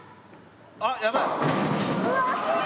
あっやばい。